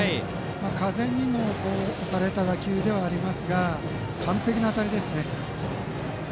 風にも押された打球ではありますが完璧な当たりですね。